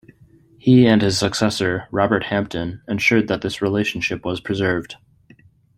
He and his successor, Robert Hampton, ensured that this relationship was preserved.